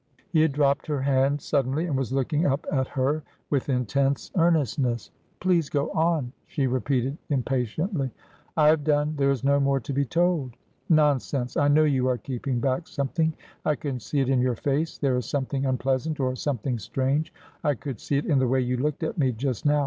He had dropped her hand suddenly, and was looking up at her with intense earnestness. * A7id Volatile, as ay teas His Usage.' 33 ' Please go on,' she repeated impatiently. ' I have done. There is no more to be told.' ' Nonsense. I know you are keeping back something ; I can see it in your face. There is something unpleasant — or some thing strange — I could see it in the way you looked at me just now.